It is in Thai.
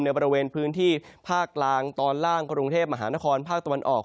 บริเวณพื้นที่ภาคกลางตอนล่างกรุงเทพมหานครภาคตะวันออก